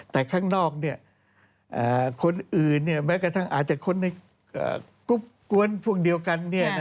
แต่ข้างนอกคนอื่นแม้กระทั่งอาจจะคนในกรุ๊ปกวนพวกเดียวกัน